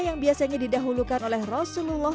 yang biasanya didahulukan oleh rasulullah